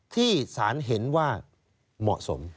ที่สารเห็นว่าเหมาะสม